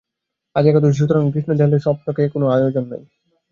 আজ একাদশী সুতরাং আজ কৃষ্ণদয়ালের স্বপাকের কোনো আয়োজন নাই।